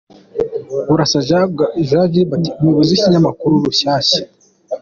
Burasa Jean Gualbert umuyobozi w’ Ikinyamakuru Rushyashya